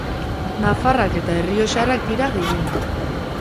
Nafarrak eta errioxarrak dira gehienak.